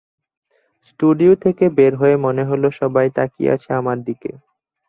Studio থেকে বের হয়ে মনে হলো, সবাই তাকিয়ে আছে আমার দিকে।